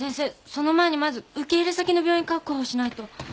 その前にまず受け入れ先の病院確保しないと。